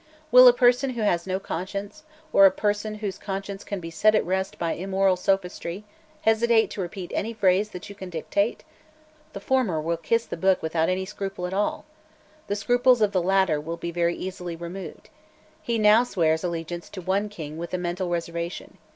Will a person who has no conscience, or a person whose conscience can be set at rest by immoral sophistry, hesitate to repeat any phrase that you can dictate? The former will kiss the book without any scruple at all. The scruples of the latter will be very easily removed. He now swears allegiance to one King with a mental reservation.